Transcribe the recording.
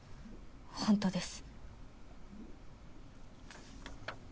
ホントです。